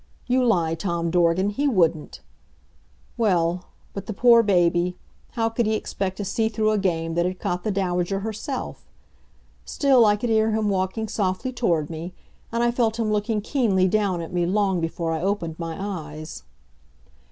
You lie, Tom Dorgan, he wouldn't! Well But the poor baby, how could he expect to see through a game that had caught the Dowager herself? Still, I could hear him walking softly toward me, and I felt him looking keenly down at me long before I opened my eyes.